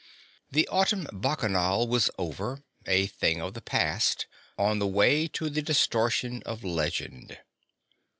The Autumn Bacchanal was over, a thing of the past, on the way to the distortion of legend.